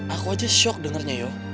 aku aja shock dengernya yo